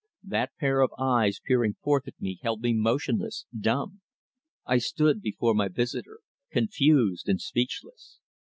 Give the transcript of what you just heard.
That pair of eyes peering forth at me held me motionless, dumb. I stood before my visitor, confused and speechless.